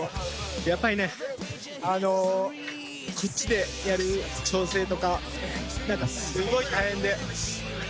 やっぱりねあのこっちでやる調整とかすごい大変で。